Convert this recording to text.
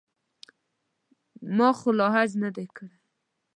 ما خو لا حج نه دی کړی.